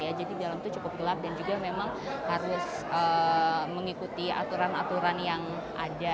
jadi di dalam itu cukup gelap dan juga memang harus mengikuti aturan aturan yang ada